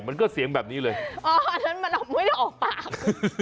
มันก็เสียงแบบนี้เลยอ๋ออันนั้นมันไม่ได้ออกปาก